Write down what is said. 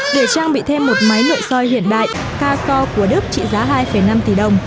để trang bị thêm một máy nội soi hiện đại ca sore của đức trị giá hai năm tỷ đồng